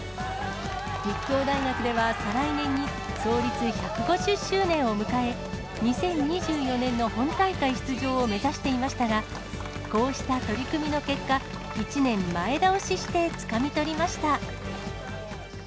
立教大学では再来年に、創立１５０周年を迎え、２０２４年の本大会出場を目指していましたが、こうした取り組みの結果、１年前倒ししてつかみ取りました。